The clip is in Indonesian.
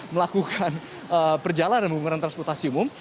melakukan perjalanan menggunakan transportasi umum